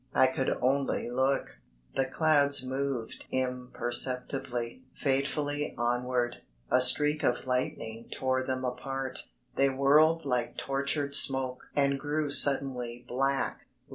I could only look. The clouds moved imperceptibly, fatefully onward, a streak of lightning tore them apart. They whirled like tortured smoke and grew suddenly black.